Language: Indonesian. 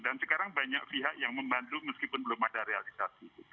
dan sekarang banyak pihak yang membantu meskipun belum ada realisasi